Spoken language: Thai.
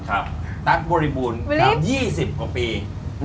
ครับตั๊กบริบุญขึ้น๒๐กว่าปีในมันการบันเทิร์น